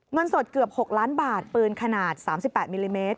เงินสดเกือบ๖ล้านบาทปืนขนาด๓๘มิลลิเมตร